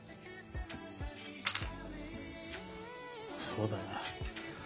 そうだな。